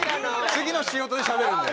次の仕事でしゃべるんで。